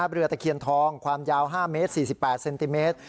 ตะเคียนทองความยาว๕เมตร๔๘เซนติเมตร